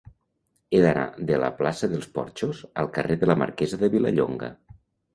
He d'anar de la plaça dels Porxos al carrer de la Marquesa de Vilallonga.